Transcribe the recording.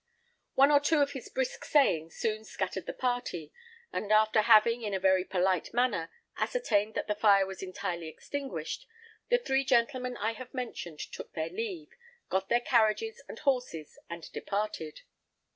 One or two of his brisk sayings soon scattered the party, and after having, in a very polite manner, ascertained that the fire was entirely extinguished, the three gentlemen I have mentioned took their leave, got their carriages and horses, and departed.